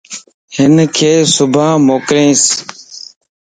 ھنک صبان موڪلينس